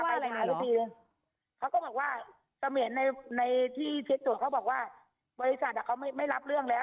เออเพราะเรากลับไปหาอีกทีเค้าก็บอกว่าตะเมียในที่ทิศจุดเค้าบอกว่าบริษัทอ่ะเค้าไม่รับเรื่องแล้ว